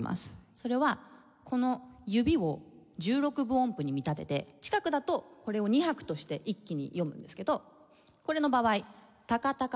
それはこの指を１６分音符に見立てて近くだとこれを２拍として一気に読むんですけどこれの場合。